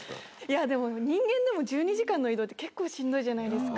でも人間でも１２時間の移動って結構しんどいじゃないですか。